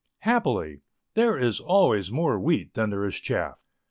Happily, there is always more wheat than there is chaff.